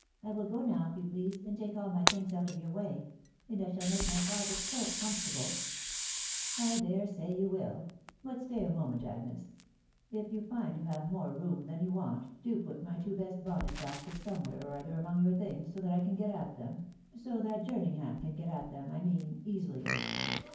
... I will go now, if you please, and take all my things out of your way •••• and I shall make my closet so comfortable !...."'€€ J dare say you will. But stay a mamfent, k.<@Q&&%. ^ ^s^ find you hare more room than you want, ito yo&TK'j V\*ak 138 nm #iwtt kuvkaby. lonnet bvxe* somewhere or other among your things, no thai I can get at them .... so that Jerningham can get at them* I mean, easily."